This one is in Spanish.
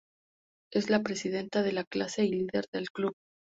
Es la presidenta de la clase y líder del club.